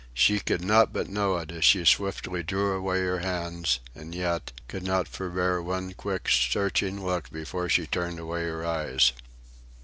She could not but know it as she swiftly drew away her hands, and yet, could not forbear one quick searching look before she turned away her eyes.